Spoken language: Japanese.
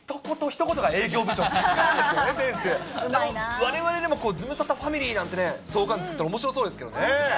われわれでもズムサタファミリーなんて相関図作ったらおもしろそうですけどね。